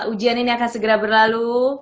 ujian ini akan segera berlalu